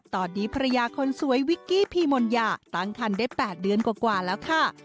ตอนนี้ภรรยาคนสวยวิกกี้พี่มนยาตั้งคันได้๘เดือนกว่าแล้วค่ะ